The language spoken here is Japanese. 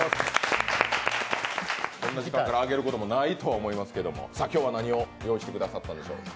こんな時間から揚げることもないかと思うんですが、今日は何を用意してくださったんでしょうか？